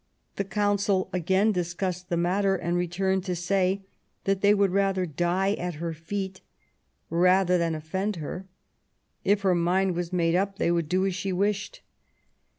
The Council again discussed the matter, and returned to say that they would die at her feet rather than offend her; if her mind was made up they would do as she wished.